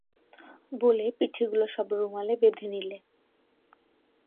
বলে পিঠেগুলো সব রুমালে বেঁধে নিলে।